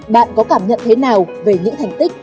bạn có cảm nhận thế nào về những thành tích